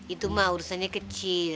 itu mah urusannya kecil